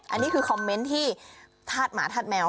อันนี้คือคอมเม้นที่ทาสหมาทาสแมว